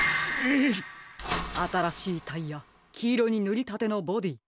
あたらしいタイヤきいろにぬりたてのボディー。